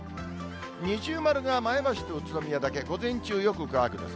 二重丸が前橋と宇都宮だけ、午前中、よく乾くです。